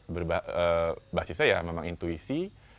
berbasisnya ya memang intuisi